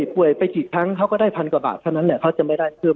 ป่วยไปกี่ครั้งเขาก็ได้พันกว่าบาทเท่านั้นแหละเขาจะไม่ได้คือ